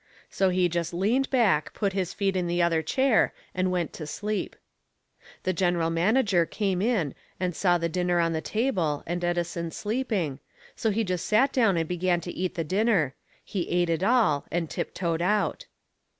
So he just leaned back, put his feet in the other chair and went to sleep. The General Manager came in and saw the dinner on the table and Edison sleeping, so he just sat down and began to eat the dinner. He ate it all, and tiptoed out.